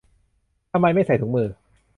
ทำไมไม่ใส่ถุงมือ